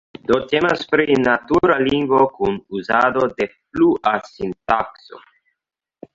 Do temas pri natura lingvo kun uzado de flua sintakso.